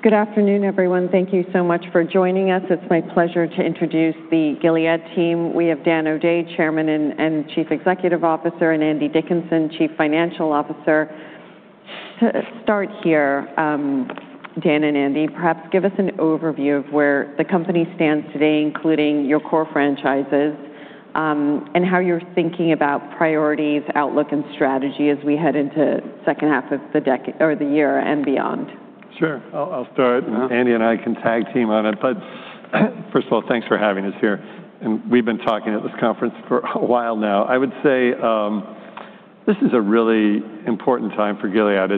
Good afternoon, everyone. Thank you so much for joining us. It's my pleasure to introduce the Gilead team. We have Dan O'Day, Chairman and Chief Executive Officer, and Andy Dickinson, Chief Financial Officer. To start here, Dan and Andy, perhaps give us an overview of where the company stands today, including your core franchises, and how you're thinking about priorities, outlook, and strategy as we head into the H2 of the year and beyond. Sure. I'll start, Andy and I can tag-team on it. First of all, thanks for having us here. We've been talking at this conference for a while now. I would say this is a really important time for Gilead.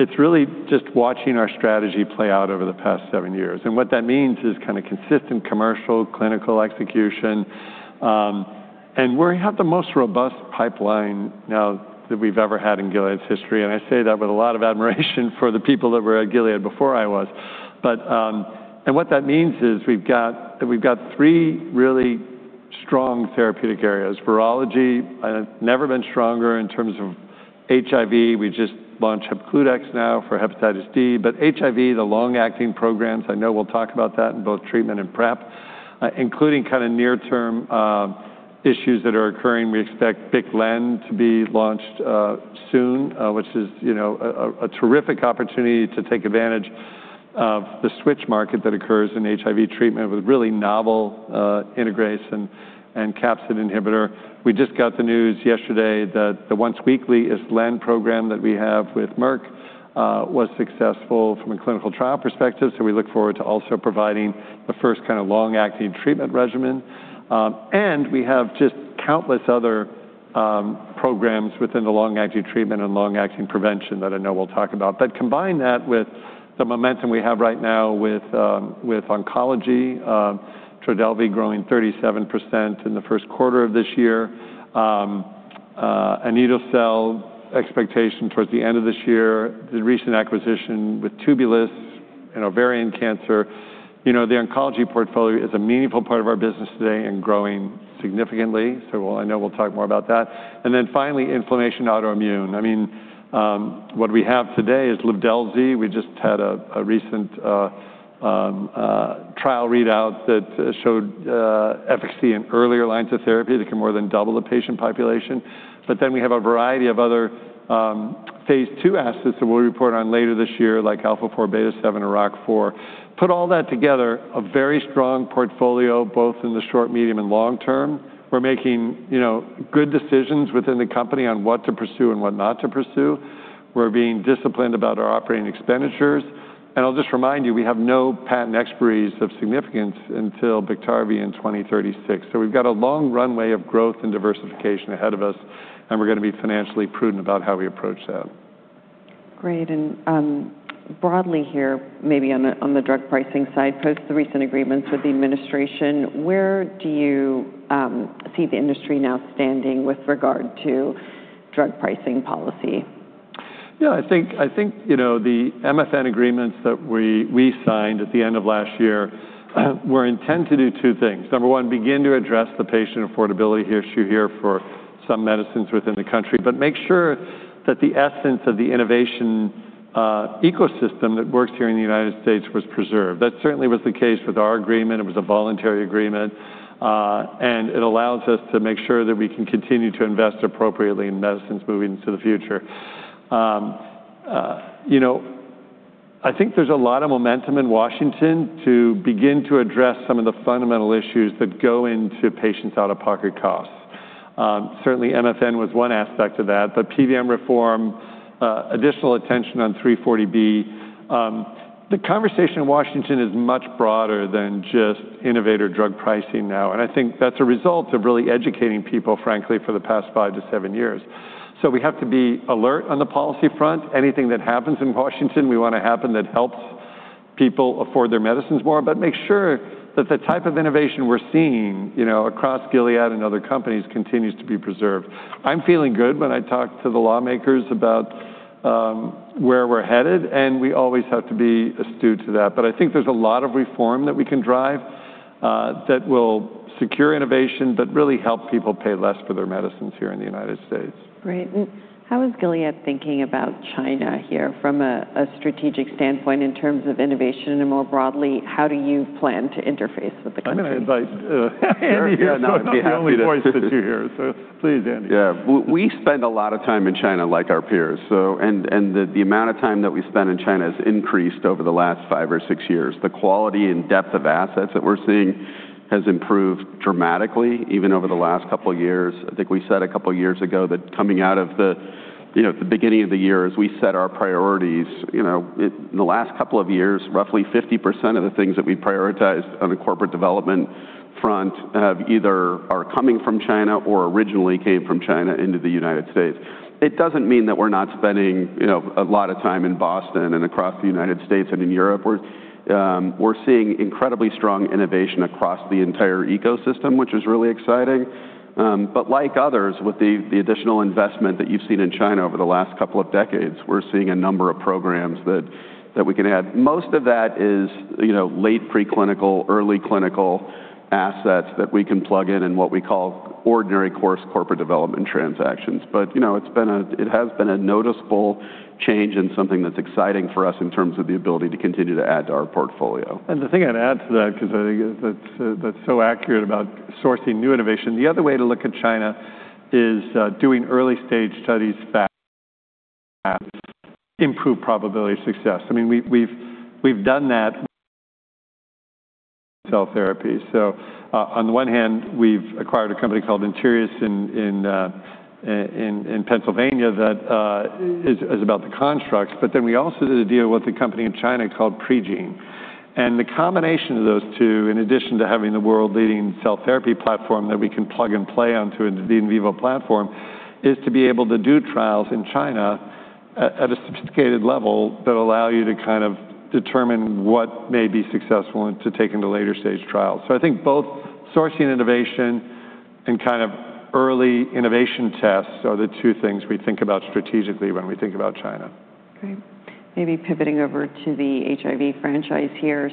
It's really just watching our strategy play out over the past seven years. What that means is kind of consistent commercial clinical execution. We have the most robust pipeline now that we've ever had in Gilead's history. I say that with a lot of admiration for the people that were at Gilead before I was. What that means is we've got three really strong therapeutic areas. Virology has never been stronger in terms of HIV. We just launched Hepcludex now for hepatitis D. HIV, the long-acting programs, I know we'll talk about that in both treatment and PrEP, including near-term issues that are occurring. We expect BIC/LEN to be launched soon, which is a terrific opportunity to take advantage of the switch market that occurs in HIV treatment with really novel integrase and capsid inhibitor. We just got the news yesterday that the once-weekly islatravir program that we have with Merck was successful from a clinical trial perspective. We look forward to also providing the first kind of long-acting treatment regimen. We have just countless other programs within the long-acting treatment and long-acting prevention that I know we'll talk about. Combine that with the momentum we have right now with oncology, TRODELVY® growing 37% in the Q1 of this year, anito-cel expectation towards the end of this year, the recent acquisition with Tubulis in ovarian cancer. The oncology portfolio is a meaningful part of our business today and growing significantly. I know we'll talk more about that. Finally, inflammation autoimmune. What we have today is Livdelzi. We just had a recent trial readout that showed efficacy in earlier lines of therapy that can more than double the patient population. Then we have a variety of other phase II assets that we'll report on later this year, like alpha-4 beta-7, and Roc-4. Put all that together, a very strong portfolio, both in the short, medium, and long term. We're making good decisions within the company on what to pursue and what not to pursue. We're being disciplined about our operating expenditures. I'll just remind you, we have no patent expiries of significance until BIKTARVY in 2036. We've got a long runway of growth and diversification ahead of us, and we're going to be financially prudent about how we approach that. Great, broadly here, maybe on the drug pricing side post the recent agreements with the administration, where do you see the industry now standing with regard to drug pricing policy? I think the MFN agreements that we signed at the end of last year were intended to do two things. Number one, begin to address the patient affordability issue here for some medicines within the country, but make sure that the essence of the innovation ecosystem that works here in the U.S. was preserved. That certainly was the case with our agreement. It was a voluntary agreement, it allows us to make sure that we can continue to invest appropriately in medicines moving into the future. I think there's a lot of momentum in Washington to begin to address some of the fundamental issues that go into patients' out-of-pocket costs. Certainly, MFN was one aspect of that, PBM reform, additional attention on 340B. The conversation in Washington is much broader than just innovator drug pricing now, I think that's a result of really educating people, frankly, for the past five to seven years. We have to be alert on the policy front. Anything that happens in Washington, we want to happen that helps people afford their medicines more, make sure that the type of innovation we're seeing across Gilead and other companies continues to be preserved. I'm feeling good when I talk to the lawmakers about where we're headed, we always have to be astute to that. I think there's a lot of reform that we can drive that will secure innovation, that really help people pay less for their medicines here in the U.S. Great, how is Gilead thinking about China here from a strategic standpoint in terms of innovation? More broadly, how do you plan to interface with the country? I'm going to invite Andy here. Sure. Yeah, I'd be happy to. It's not the only voice that you hear. Please, Andy. Yeah. We spend a lot of time in China, like our peers. The amount of time that we spend in China has increased over the last five or six years. The quality and depth of assets that we're seeing has improved dramatically, even over the last couple of years. I think we said a couple of years ago that coming out of the beginning of the year, as we set our priorities, in the last couple of years, roughly 50% of the things that we prioritized on the corporate development front either are coming from China or originally came from China into the U.S. It doesn't mean that we're not spending a lot of time in Boston and across the U.S. and in Europe. We're seeing incredibly strong innovation across the entire ecosystem, which is really exciting. Like others, with the additional investment that you've seen in China over the last couple of decades, we're seeing a number of programs that we can add. Most of that is late preclinical, early clinical assets that we can plug in what we call ordinary course corporate development transactions. It has been a noticeable change and something that's exciting for us in terms of the ability to continue to add to our portfolio. The thing I'd add to that, because I think that's so accurate about sourcing new innovation. The other way to look at China is doing early-stage studies fast improve probability of success. We've done that cell therapy. On the one hand, we've acquired a company called Interius in Pennsylvania that is about the constructs. We also did a deal with a company in China called Pregene. The combination of those two, in addition to having the world-leading cell therapy platform that we can plug and play onto the in vivo platform, is to be able to do trials in China at a sophisticated level that allow you to determine what may be successful and to take into later-stage trials. I think both sourcing innovation and early innovation tests are the two things we think about strategically when we think about China. Okay. Maybe pivoting over to the HIV franchise here.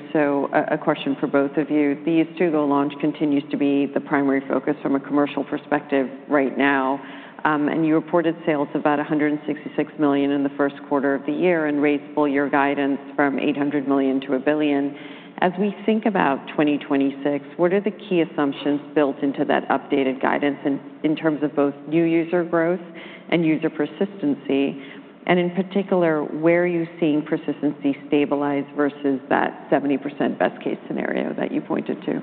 A question for both of you. The Yeztugo® launch continues to be the primary focus from a commercial perspective right now, and you reported sales of about $166 million in the Q1 of the year and raised full-year guidance from $800 million-$1 billion. As we think about 2026, what are the key assumptions built into that updated guidance in terms of both new user growth and user persistency? In particular, where are you seeing persistency stabilize versus that 70% best-case scenario that you pointed to?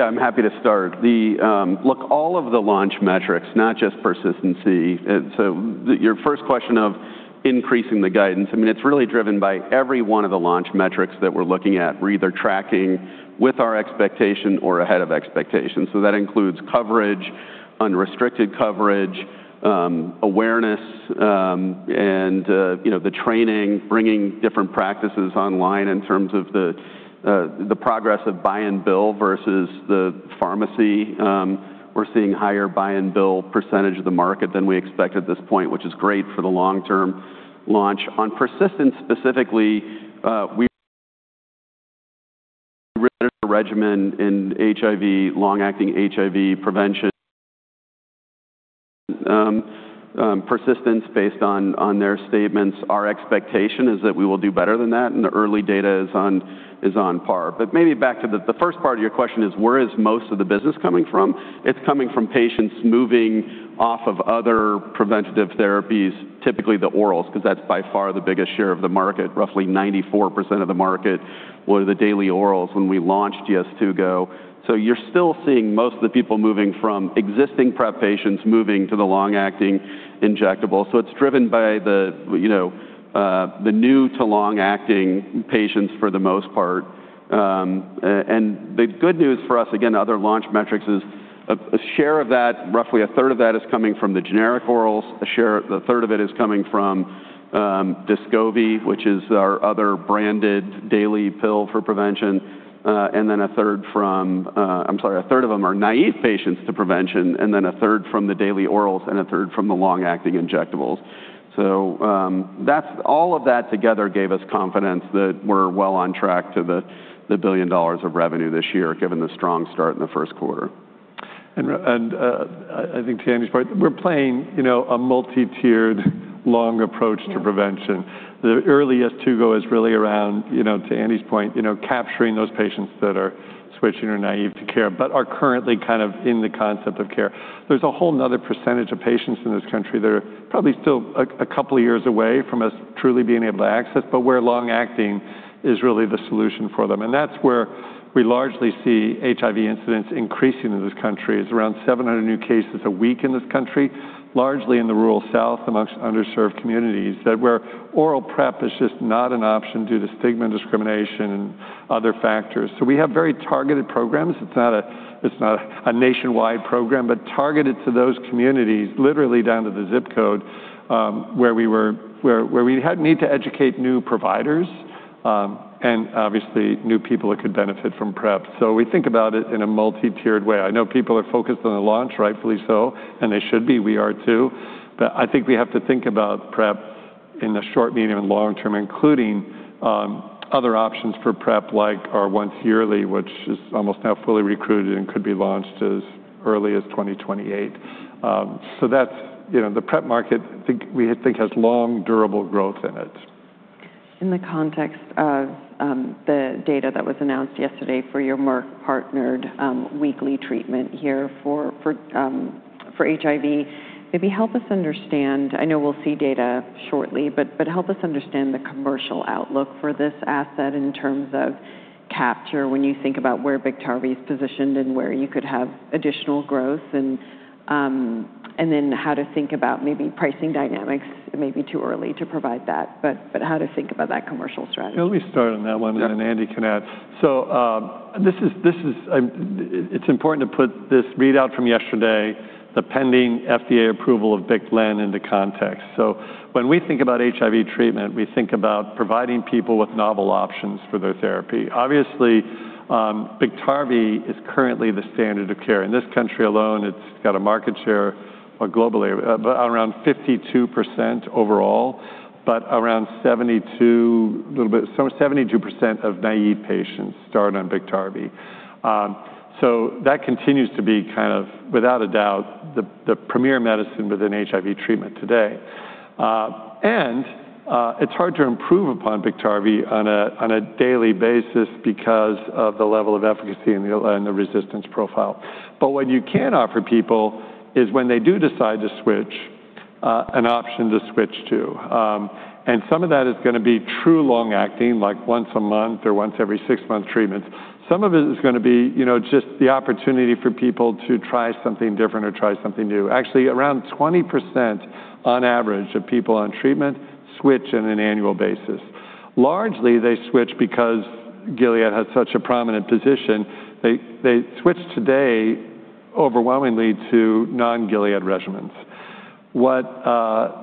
I'm happy to start. Look, all of the launch metrics, not just persistency. Your first question of increasing the guidance, it's really driven by every one of the launch metrics that we're looking at. We're either tracking with our expectation or ahead of expectation. That includes coverage, unrestricted coverage, awareness, and the training, bringing different practices online in terms of the progress of buy and bill versus the pharmacy. We're seeing higher buy and bill percentage of the market than we expect at this point, which is great for the long-term launch. On persistence specifically, we regimen in long-acting HIV prevention persistence based on their statements. Our expectation is that we will do better than that, and the early data is on par. Maybe back to the first part of your question is, where is most of the business coming from? It's coming from patients moving off of other preventative therapies, typically the orals, because that's by far the biggest share of the market. Roughly 94% of the market were the daily orals when we launched Yeztugo®. You're still seeing most of the people moving from existing PrEP patients moving to the long-acting injectable. It's driven by the new to long-acting patients for the most part. The good news for us, again, other launch metrics is a share of that, roughly a third of that is coming from the generic orals. A third of it is coming from Descovy, which is our other branded daily pill for prevention, a third of them are naive patients to prevention, and then a third from the daily orals, and a third from the long-acting injectables. All of that together gave us confidence that we're well on track to the $1 billion of revenue this year, given the strong start in the Q1. I think to Andy's point, we're playing a multi-tiered long approach to prevention. The early Yeztugo® is really around, to Andy's point, capturing those patients that are switching or naive to care, but are currently in the concept of care. There's a whole another percentage of patients in this country that are probably still a couple of years away from us truly being able to access, but where long-acting is really the solution for them. That's where we largely see HIV incidence increasing in this country. It's around 700 new cases a week in this country, largely in the rural South amongst underserved communities that where oral PrEP is just not an option due to stigma, discrimination, and other factors. We have very targeted programs. It's not a nationwide program, but targeted to those communities, literally down to the zip code, where we had need to educate new providers, and obviously new people that could benefit from PrEP. We think about it in a multi-tiered way. I know people are focused on the launch, rightfully so, and they should be. We are too. I think we have to think about PrEP in the short, medium, and long term, including other options for PrEP, like our once-yearly, which is almost now fully recruited and could be launched as early as 2028. The PrEP market, we think, has long, durable growth in it. In the context of the data that was announced yesterday for your Merck-partnered weekly treatment here for HIV, maybe help us understand, I know we'll see data shortly, help us understand the commercial outlook for this asset in terms of capture when you think about where BIKTARVY® is positioned and where you could have additional growth, and then how to think about maybe pricing dynamics. It may be too early to provide that, but how to think about that commercial strategy. Let me start on that one. Yeah Andy can add. It's important to put this readout from yesterday, the pending FDA approval of BIC/LEN into context. When we think about HIV treatment, we think about providing people with novel options for their therapy. Obviously, BIKTARVY® is currently the standard of care. In this country alone, it's got a market share globally of around 52% overall. But around 72% of naive patients start on BIKTARVY®. That continues to be, without a doubt, the premier medicine within HIV treatment today. It's hard to improve upon BIKTARVY® on a daily basis because of the level of efficacy and the resistance profile. What you can offer people is when they do decide to switch, an option to switch to. Some of that is going to be true long-acting, like once a month or once every six-month treatments. Some of it is going to be just the opportunity for people to try something different or try something new. Actually, around 20%, on average, of people on treatment switch on an annual basis. Largely, they switch because Gilead has such a prominent position. They switch today overwhelmingly to non-Gilead regimens. What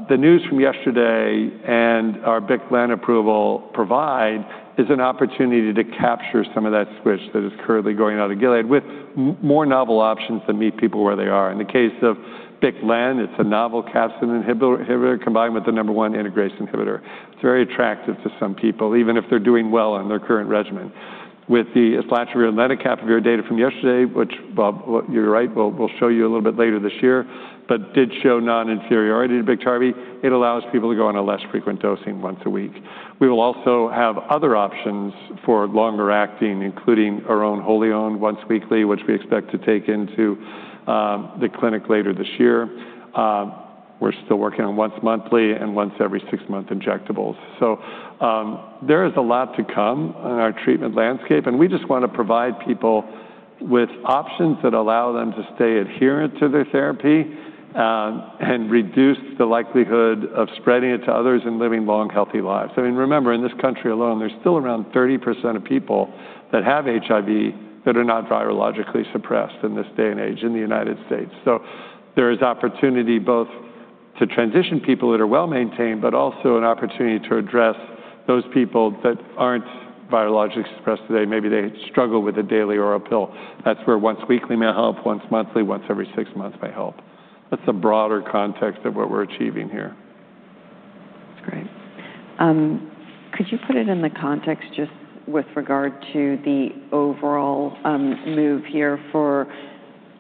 the news from yesterday and our BIC/LEN approval provide is an opportunity to capture some of that switch that is currently going out of Gilead with more novel options that meet people where they are. In the case of BIC/LEN, it's a novel capsid inhibitor combined with the number one integrase inhibitor. It's very attractive to some people, even if they're doing well on their current regimen. With the islatravir and lenacapavir data from yesterday, which, Bob, you're right, we'll show you a little bit later this year, but did show non-inferiority to BIKTARVY®. It allows people to go on a less frequent dosing once a week. We will also have other options for longer acting, including our own wholly owned once weekly, which we expect to take into the clinic later this year. We're still working on once monthly and once every six month injectables. There is a lot to come in our treatment landscape, and we just want to provide people with options that allow them to stay adherent to their therapy, and reduce the likelihood of spreading it to others and living long, healthy lives. Remember, in this country alone, there's still around 30% of people that have HIV that are not virologically suppressed in this day and age in the United States. There is opportunity both to transition people that are well-maintained, but also an opportunity to address those people that aren't virologically suppressed today. Maybe they struggle with a daily oral pill. That's where once weekly may help, once monthly, once every six months may help. That's the broader context of what we're achieving here. That's great. Could you put it in the context just with regard to the overall move here for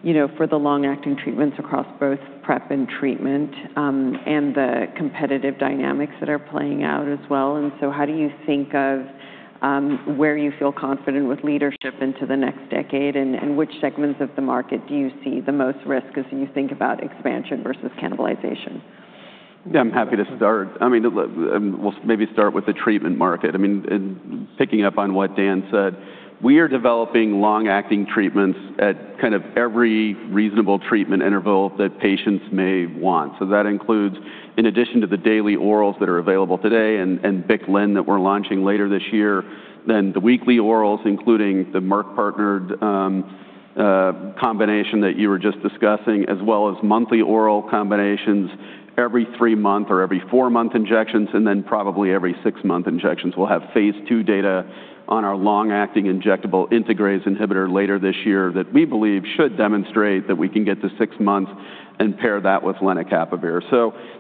the long-acting treatments across both PrEP and treatment, and the competitive dynamics that are playing out as well? How do you think of where you feel confident with leadership into the next decade, and which segments of the market do you see the most risk as you think about expansion versus cannibalization? I'm happy to start. We'll maybe start with the treatment market. Picking up on what Dan said, we are developing long-acting treatments at every reasonable treatment interval that patients may want. That includes, in addition to the daily orals that are available today and BIC/LEN that we're launching later this year, the weekly orals, including the Merck-partnered combination that you were just discussing, as well as monthly oral combinations, every three-month or every four-month injections, and then probably every six-month injections. We'll have phase II data on our long-acting injectable integrase inhibitor later this year that we believe should demonstrate that we can get to six months and pair that with lenacapavir.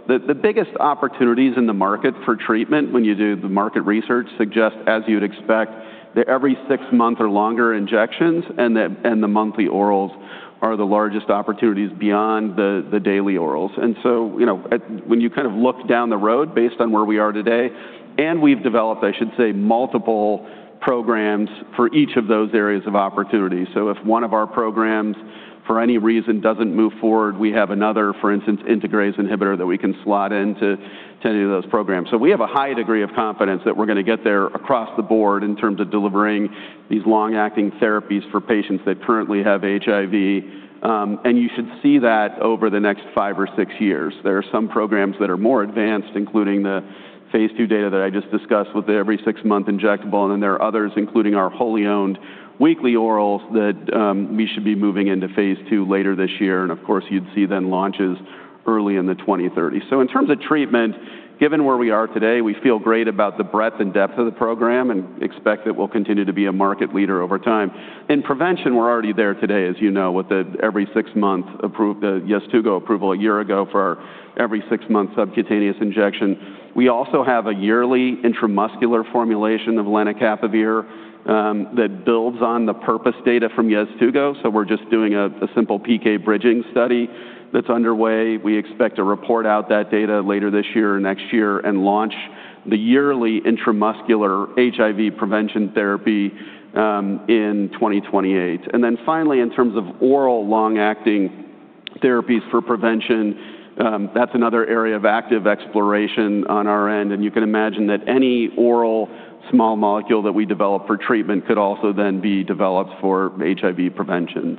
The biggest opportunities in the market for treatment when you do the market research suggest, as you'd expect, that every six-month or longer injections and the monthly orals are the largest opportunities beyond the daily orals. When you look down the road based on where we are today, we've developed, I should say, multiple programs for each of those areas of opportunity. If one of our programs, for any reason, doesn't move forward, we have another, for instance, integrase inhibitor that we can slot into any of those programs. We have a high degree of confidence that we're going to get there across the board in terms of delivering these long-acting therapies for patients that currently have HIV. You should see that over the next five or six years. There are some programs that are more advanced, including the phase II data that I just discussed with the every six-month injectable, there are others, including our wholly owned weekly orals that we should be moving into phase II later this year. Of course, you'd see then launches early in the 2030s. In terms of treatment, given where we are today, we feel great about the breadth and depth of the program and expect that we'll continue to be a market leader over time. In prevention, we're already there today, as you know, with the every six-month approved, the DESCOVY approval a year ago for every six-month subcutaneous injection. We also have a yearly intramuscular formulation of lenacapavir that builds on the PURPOSE data from DESCOVY. We're just doing a simple PK bridging study that's underway. We expect to report out that data later this year or next year and launch the yearly intramuscular HIV prevention therapy in 2028. Finally, in terms of oral long-acting therapies for prevention, that's another area of active exploration on our end. You can imagine that any oral small molecule that we develop for treatment could also then be developed for HIV prevention.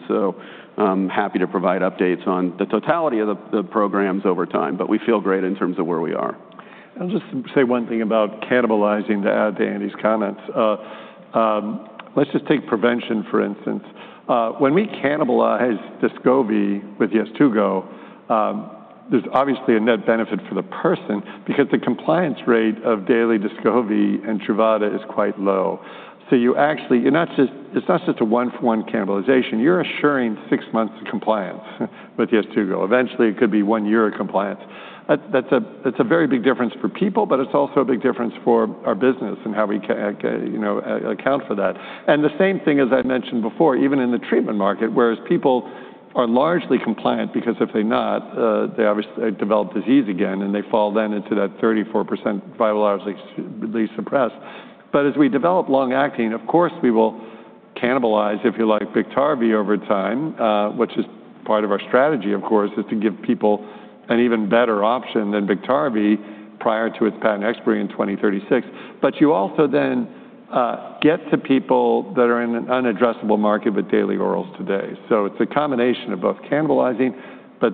I'm happy to provide updates on the totality of the programs over time. We feel great in terms of where we are. I'll just say one thing about cannibalizing to add to Andy's comments. Let's just take prevention, for instance. When we cannibalized DESCOVY, there's obviously a net benefit for the person because the compliance rate of daily DESCOVY and TRUVADA is quite low. It's not just a one-for-one cannibalization. You're assuring six months of compliance with Yeztugo®. Eventually, it could be one year of compliance. That's a very big difference for people, but it's also a big difference for our business and how we account for that. The same thing, as I mentioned before, even in the treatment market, whereas people are largely compliant, because if they're not, they obviously develop disease again, and they fall into that 34% virologically suppressed. As we develop long-acting, of course, we will cannibalize, if you like, BIKTARVY over time, which is part of our strategy, of course, is to give people an even better option than BIKTARVY prior to its patent expiry in 2036. You also then get to people that are in an unaddressable market with daily orals today. It's a combination of both cannibalizing,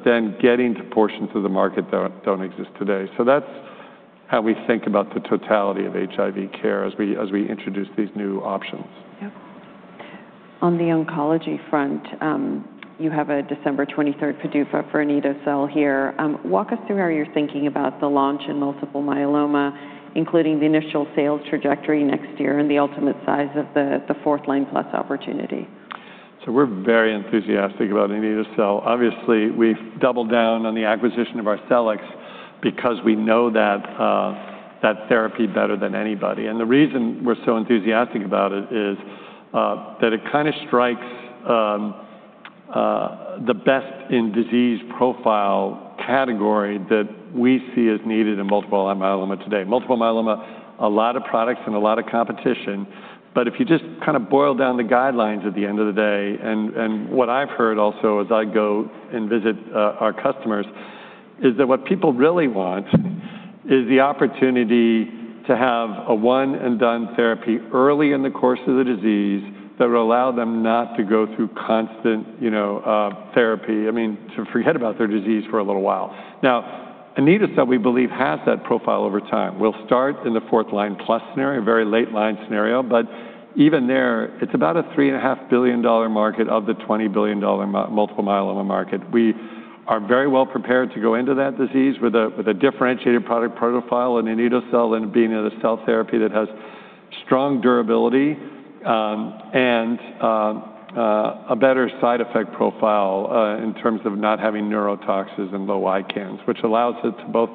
then getting to portions of the market that don't exist today. That's how we think about the totality of HIV care as we introduce these new options. Yep. On the oncology front, you have a December 23rd PDUFA for anito-cel here. Walk us through how you're thinking about the launch in multiple myeloma, including the initial sales trajectory next year and the ultimate size of the fourth-line-plus opportunity. We're very enthusiastic about anito-cel. Obviously, we've doubled down on the acquisition of Arcellx because we know that therapy better than anybody. The reason we're so enthusiastic about it is that it kind of strikes the best in disease profile category that we see as needed in multiple myeloma today. Multiple myeloma, a lot of products and a lot of competition. If you just boil down the guidelines at the end of the day, what I've heard also as I go and visit our customers, is that what people really want is the opportunity to have a one-and-done therapy early in the course of the disease that will allow them not to go through constant therapy. I mean, to forget about their disease for a little while. Now, anito-cel, we believe, has that profile over time. We'll start in the fourth-line-plus scenario, a very late line scenario, but even there, it's about a $3.5 billion market of the $20 billion multiple myeloma market. We are very well prepared to go into that disease with a differentiated product profile in anito-cel and being a cell therapy that has strong durability and a better side effect profile in terms of not having neurotoxicity and low ICANS, which allows it to both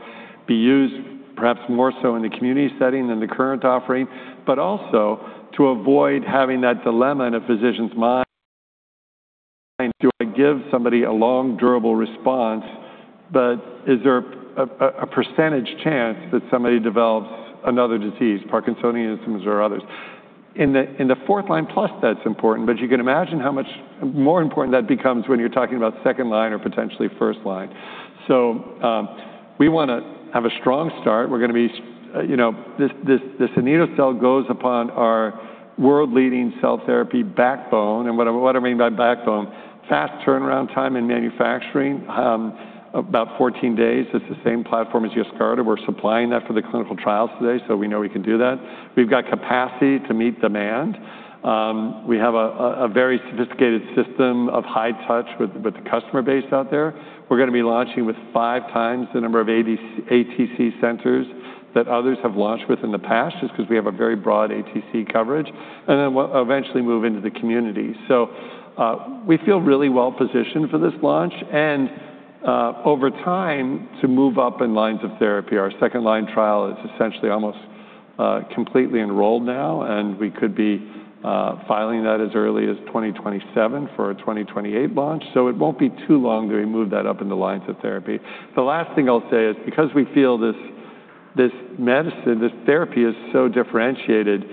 be used perhaps more so in the community setting than the current offering, but also to avoid having that dilemma in a physician's mind. Do I give somebody a long, durable response, but is there a percentage chance that somebody develops another disease, parkinsonisms or others? In the fourth-line plus, that's important, but you can imagine how much more important that becomes when you're talking about second line or potentially first line. We want to have a strong start. This anito-cel goes upon our world-leading cell therapy backbone. What I mean by backbone, fast turnaround time in manufacturing, about 14 days. It's the same platform as YESCARTA. We're supplying that for the clinical trials today, so we know we can do that. We've got capacity to meet demand. We have a very sophisticated system of high touch with the customer base out there. We're going to be launching with five times the number of ATC centers that others have launched with in the past, just because we have a very broad ATC coverage, and then we'll eventually move into the community. We feel really well positioned for this launch and over time to move up in lines of therapy. Our second-line trial is essentially almost completely enrolled now. We could be filing that as early as 2027 for a 2028 launch. It won't be too long to remove that up in the lines of therapy. The last thing I'll say is because we feel this medicine, this therapy is so differentiated,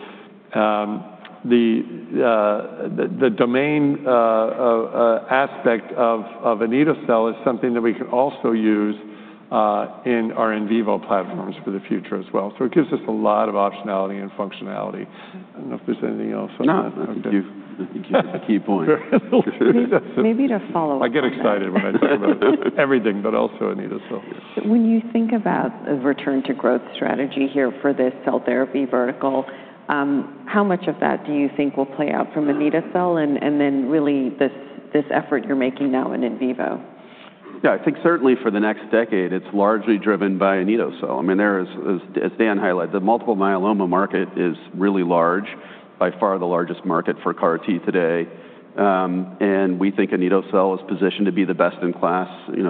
the domain aspect of anito-cel is something that we can also use in our in vivo platforms for the future as well. It gives us a lot of optionality and functionality. I don't know if there's anything else on that. I think you hit the key point. Maybe to follow up. I get excited when I talk about everything but also anito-cel. When you think about a return to growth strategy here for this cell therapy vertical, how much of that do you think will play out from anito-cel and then really this effort you're making now in in vivo? Yeah, I think certainly for the next decade, it's largely driven by anito-cel. As Dan highlighted, the multiple myeloma market is really large, by far the largest market for CAR T today. We think anito-cel is positioned to be the best in class,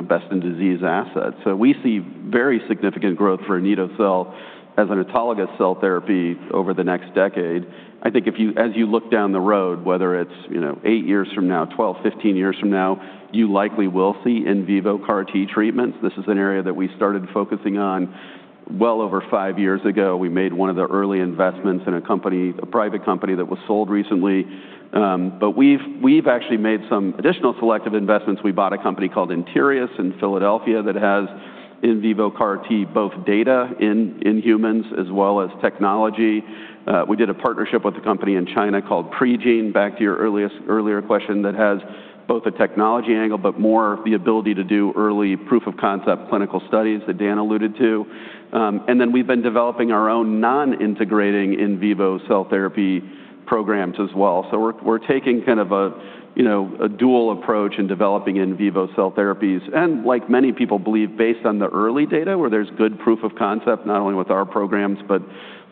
best in disease asset. We see very significant growth for anito-cel as an autologous cell therapy over the next decade. I think as you look down the road, whether it's eight years from now, 12, 15 years from now, you likely will see in vivo CAR T treatments. This is an area that we started focusing on well over five years ago. We made one of the early investments in a private company that was sold recently. We've actually made some additional selective investments. We bought a company called Interius in Philadelphia that has in vivo CAR T, both data in humans as well as technology. We did a partnership with a company in China called Pregene, back to your earlier question, that has both a technology angle, but more the ability to do early proof of concept clinical studies that Dan alluded to. Then we've been developing our own non-integrating in vivo cell therapy programs as well. We're taking kind of a dual approach in developing in vivo cell therapies. Like many people believe, based on the early data, where there's good proof of concept, not only with our programs, but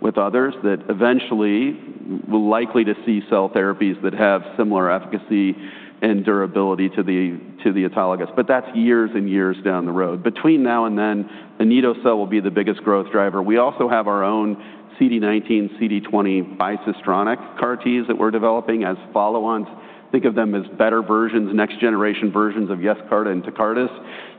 with others, that eventually we're likely to see cell therapies that have similar efficacy and durability to the autologous. That's years and years down the road. Between now and then, anito-cel will be the biggest growth driver. We also have our own CD19, CD20 bicistronic CAR Ts that we're developing as follow-ons. Think of them as better versions, next generation versions of YESCARTA and TECARTUS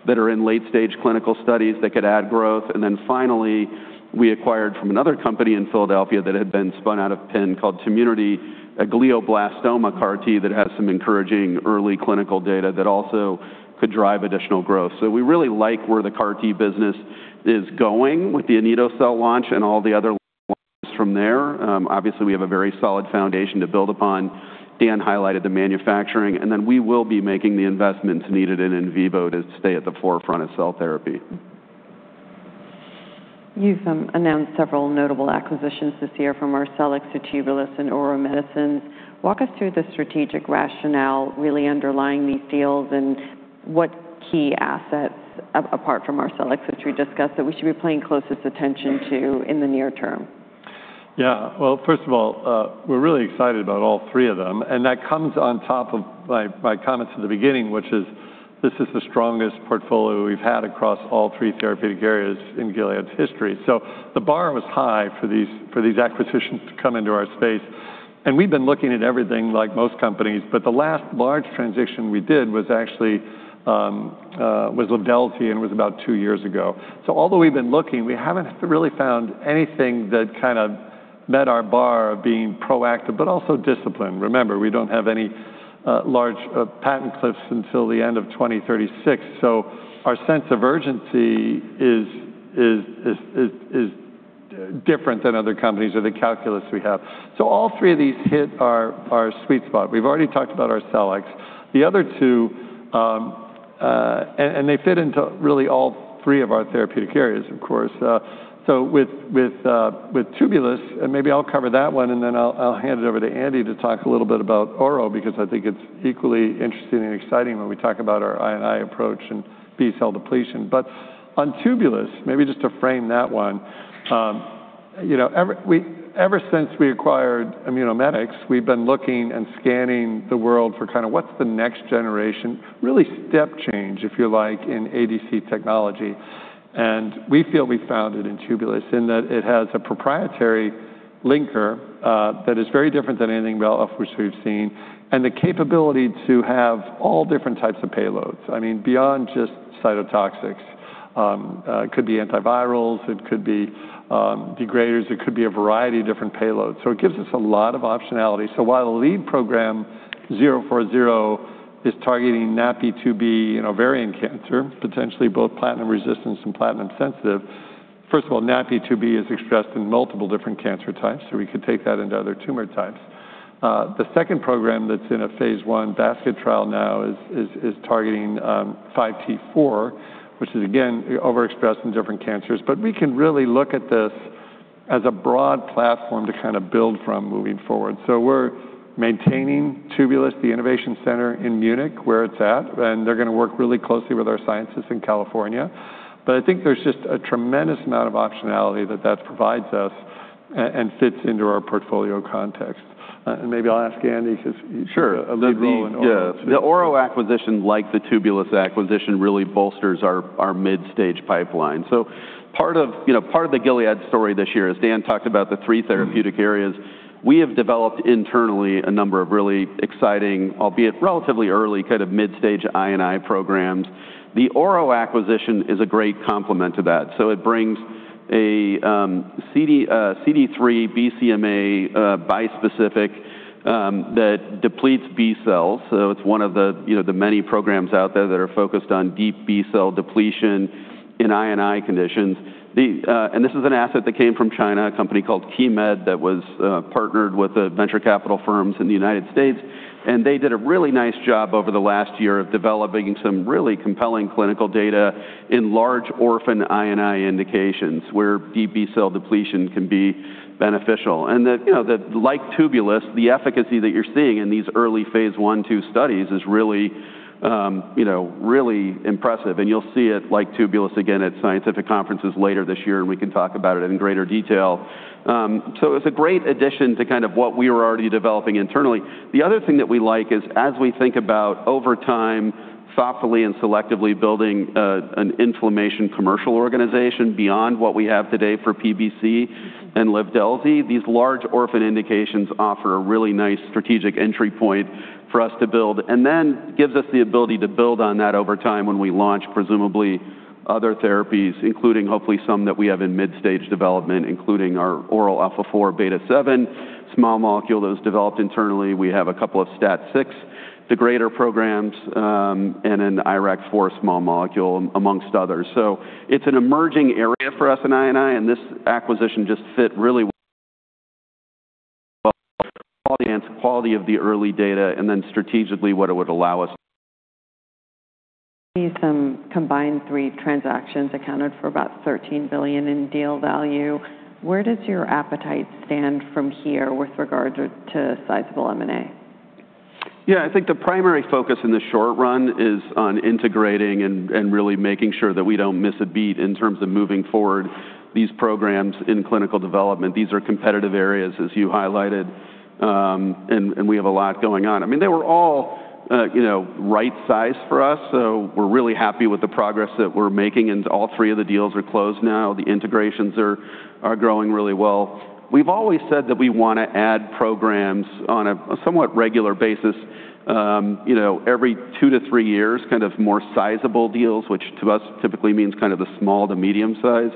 that are in late-stage clinical studies that could add growth. Then finally, we acquired from another company in Philadelphia that had been spun out of Penn called Tmunity, a glioblastoma CAR T that has some encouraging early clinical data that also could drive additional growth. We really like where the CAR T business is going with the anito-cel launch and all the other ones from there. Obviously, we have a very solid foundation to build upon. Dan highlighted the manufacturing, and then we will be making the investments needed in vivo to stay at the forefront of cell therapy. You've announced several notable acquisitions this year from Arcellx to Tubulis and Ouro Medicines. Walk us through the strategic rationale really underlying these deals and what key assets, apart from Arcellx, which we discussed, that we should be paying closest attention to in the near term. Yeah. Well, first of all, we're really excited about all three of them, and that comes on top of my comments at the beginning, which is this is the strongest portfolio we've had across all three therapeutic areas in Gilead's history. The bar was high for these acquisitions to come into our space. We've been looking at everything like most companies, but the last large transition we did was actually seladelpar, and it was about two years ago. Although we've been looking, we haven't really found anything that kind of met our bar of being proactive but also disciplined. Remember, we don't have any large patent cliffs until the end of 2036, our sense of urgency is different than other companies or the calculus we have. All three of these hit our sweet spot. We've already talked about Arcellx. The other two, and they fit into really all three of our therapeutic areas, of course. With Tubulis, maybe I'll cover that one, then I'll hand it over to Andy to talk a little bit about Ouro because I think it's equally interesting and exciting when we talk about our I&I approach and B cell depletion. On Tubulis, maybe just to frame that one, ever since we acquired Immunomedics, we've been looking and scanning the world for kind of what's the next generation, really step change, if you like, in ADC technology. We feel we found it in Tubulis in that it has a proprietary linker that is very different than anything else we've seen, and the capability to have all different types of payloads. I mean, beyond just cytotoxics. It could be antivirals, it could be degraders, it could be a variety of different payloads. It gives us a lot of optionality. While the lead program GS-040 is targeting NaPi2b in ovarian cancer, potentially both platinum resistance and platinum sensitive, first of all, NaPi2b is expressed in multiple different cancer types, we could take that into other tumor types. The second program that's in a phase I basket trial now is targeting 5T4, which is again overexpressed in different cancers. We can really look at this as a broad platform to kind of build from moving forward. We're maintaining Tubulis, the innovation center in Munich, where it's at, and they're going to work really closely with our scientists in California. I think there's just a tremendous amount of optionality that that provides us and fits into our portfolio context. Maybe I'll ask Andy because he took a lead role in Ouro. Sure. The Ouro acquisition, like the Tubulis acquisition, really bolsters our mid-stage pipeline. Part of the Gilead story this year, as Dan talked about the three therapeutic areas, we have developed internally a number of really exciting, albeit relatively early, kind of mid-stage I&I programs. The Ouro acquisition is a great complement to that. It brings a CD3/BCMA bispecific that depletes B cells. It's one of the many programs out there that are focused on deep B cell depletion in I&I conditions. This is an asset that came from China, a company called Keymed that was partnered with venture capital firms in the U.S., and they did a really nice job over the last year of developing some really compelling clinical data in large orphan I&I indications where deep B cell depletion can be beneficial. That like Tubulis, the efficacy that you're seeing in these early phase I, II studies is really impressive, and you'll see it, like Tubulis again, at scientific conferences later this year, and we can talk about it in greater detail. It's a great addition to kind of what we were already developing internally. The other thing that we like is as we think about over time, thoughtfully and selectively building an inflammation commercial organization beyond what we have today for PBC and Livdelzi, these large orphan indications offer a really nice strategic entry point for us to build. Then gives us the ability to build on that over time when we launch, presumably other therapies, including hopefully some that we have in mid-stage development, including our oral alpha-4 beta-7 small molecule that was developed internally. We have a couple of STAT6 degrader programs, and an IRAK4 small molecule, amongst others. It's an emerging area for us in I&I, and this acquisition just fit really well quality of the early data, and then strategically, what it would allow us. These combined three transactions accounted for about $13 billion in deal value. Where does your appetite stand from here with regard to sizable M&A? Yeah. I think the primary focus in the short run is on integrating and really making sure that we don't miss a beat in terms of moving forward these programs in clinical development. These are competitive areas, as you highlighted, and we have a lot going on. They were all right size for us, so we're really happy with the progress that we're making into all three of the deals are closed now. The integrations are growing really well. We've always said that we want to add programs on a somewhat regular basis, every two to three years, more sizable deals, which to us typically means the small to medium size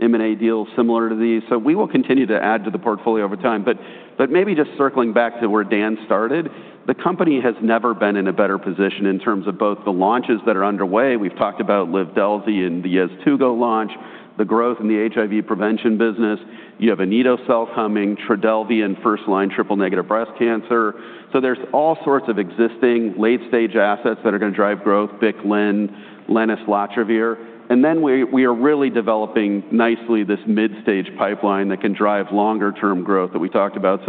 M&A deals similar to these. We will continue to add to the portfolio over time. Maybe just circling back to where Dan started, the company has never been in a better position in terms of both the launches that are underway. We've talked about seladelpar and the Yeztugo® launch, the growth in the HIV prevention business. You have anito-cel humming, TRODELVY in first-line triple-negative breast cancer. There's all sorts of existing late-stage assets that are going to drive growth, BIC/LEN, islatravir / lenacapavir. We are really developing nicely this mid-stage pipeline that can drive longer term growth that we talked about.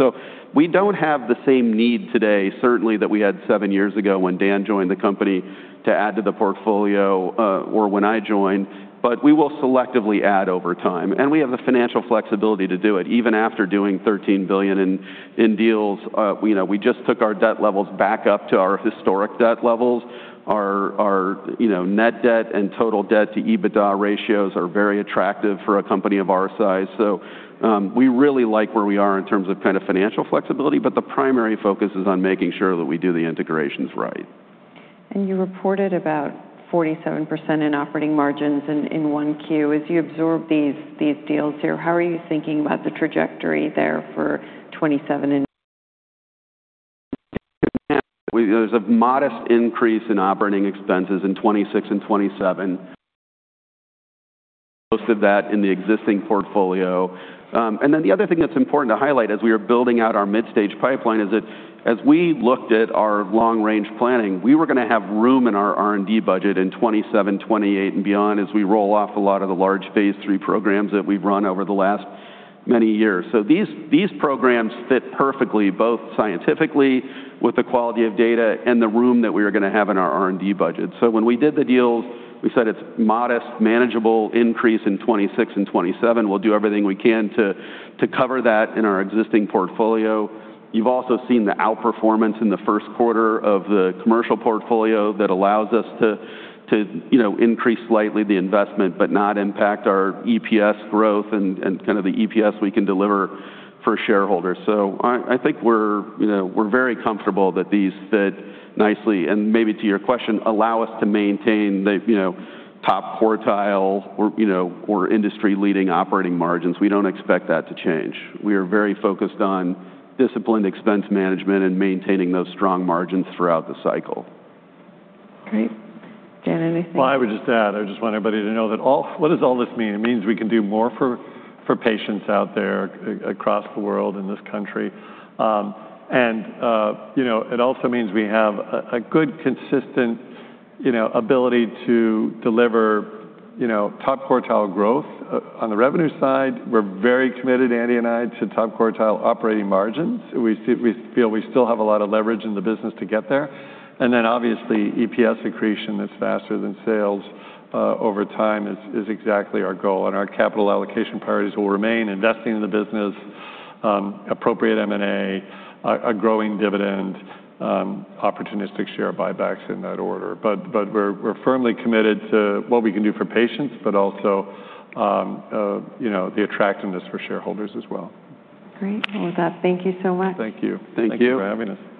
We don't have the same need today, certainly, that we had seven years ago when Dan joined the company to add to the portfolio, or when I joined, but we will selectively add over time, and we have the financial flexibility to do it even after doing $13 billion in deals. We just took our debt levels back up to our historic debt levels. Our net debt and total debt to EBITDA ratios are very attractive for a company of our size. We really like where we are in terms of financial flexibility, the primary focus is on making sure that we do the integrations right. You reported about 47% in operating margins in Q1. As you absorb these deals here, how are you thinking about the trajectory there for 2027 and. [inaudible] There's a modest increase in operating expenses in 2026 and 2027. Most of that in the existing portfolio. The other thing that's important to highlight as we are building out our mid-stage pipeline is that as we looked at our long range planning, we were going to have room in our R&D budget in 2027, 2028 and beyond as we roll off a lot of the large phase III programs that we've run over the last many years. These programs fit perfectly, both scientifically with the quality of data and the room that we are going to have in our R&D budget. When we did the deals, we said it's modest, manageable increase in 2026 and 2027. We'll do everything we can to cover that in our existing portfolio. You've also seen the outperformance in the Q1 of the commercial portfolio that allows us to increase slightly the investment, but not impact our EPS growth and the EPS we can deliver for shareholders. I think we're very comfortable that these fit nicely, and maybe to your question, allow us to maintain the top quartile or industry-leading operating margins. We don't expect that to change. We are very focused on disciplined expense management and maintaining those strong margins throughout the cycle. Great. Dan, anything? Well, I would just add, I just want everybody to know that what does all this mean? It means we can do more for patients out there across the world, in this country. It also means we have a good, consistent ability to deliver top quartile growth on the revenue side. We're very committed, Andy and I, to top quartile operating margins. We feel we still have a lot of leverage in the business to get there. Obviously, EPS accretion that's faster than sales over time is exactly our goal, and our capital allocation priorities will remain investing in the business, appropriate M&A, a growing dividend, opportunistic share buybacks in that order. We're firmly committed to what we can do for patients, but also the attractiveness for shareholders as well. Great. Well, with that, thank you so much. Thank you. Thank you. Thank you for having us.